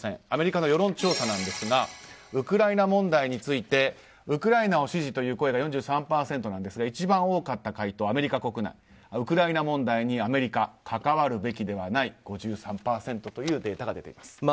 アメリカの世論調査ですがウクライナ問題についてウクライナを支持という声が４３％ですが一番多かった回答、アメリカ国内ウクライナ問題にアメリカ、関わるべきではない５３％というデータが出ています。